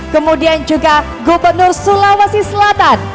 kemudian juga gubernur sulawesi selatan